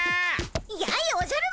やいっおじゃる丸